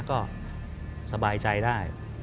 ก็สบายใจได้